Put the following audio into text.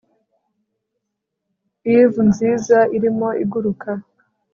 Eve nziza irimo iguruka